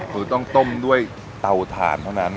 คือต้องต้มด้วยเตาถ่านเท่านั้น